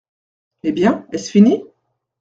Eh bien, est-ce fini ?